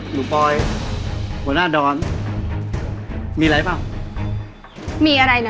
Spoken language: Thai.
หรูปอยบรรทดอดมีอะไรเปล่ามีอะไรนะ